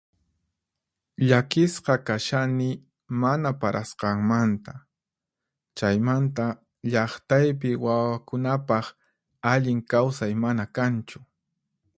Llakisqa kashani mana parasqanmanta, chaymanta llaqtaypi wawakunapaq allin kawsay mana kanchu.